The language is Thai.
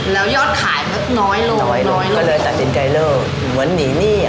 แล้วยอดขายมันก็น้อยลงน้อยน้อยก็เลยตัดสินใจเลิกเหมือนหนีหนี้อ่ะ